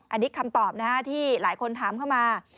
อันนี้คำตอบนะฮะที่หลายคนถามเข้ามา